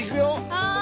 はい。